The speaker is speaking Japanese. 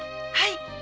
はい。